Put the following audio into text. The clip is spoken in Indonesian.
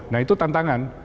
nah itu tantangan